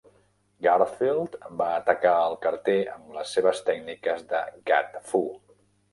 Garfield va atacar al carter amb les seves tècniques de "Gat Fu".